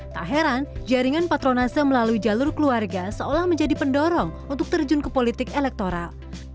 tak heran jaringan patronase melalui jalur keluarga seolah menjadi pendorong untuk terjun ke politik elektoral